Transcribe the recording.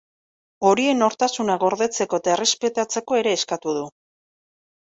Horien nortasuna gordetzeko eta errespetatzeko ere eskatu du.